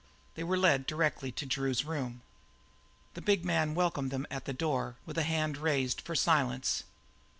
They were led directly to Drew's room. The big man welcomed them at the door with a hand raised for silence.